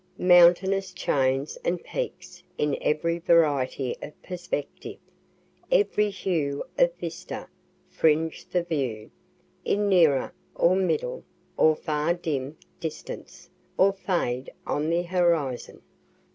Mountainous chains and peaks in every variety of perspective, every hue of vista, fringe the view, in nearer, or middle, or far dim distance, or fade on the horizon.